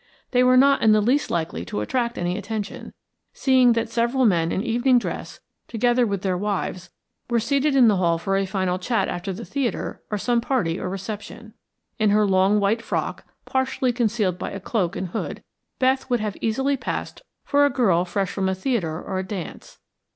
They were not in the least likely to attract any attention, seeing that several men in evening dress together with their wives were seated in the hall for a final chat after the theatre or some party or reception. In her long white frock, partially concealed by a cloak and hood, Beth would have easily passed for a girl fresh from a theatre or a dance.